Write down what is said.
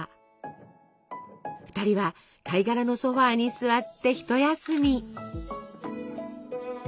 ２人は貝殻のソファーに座って一休み。